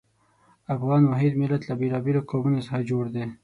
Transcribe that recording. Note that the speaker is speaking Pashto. افغان واحد ملت له بېلابېلو قومونو څخه جوړ دی.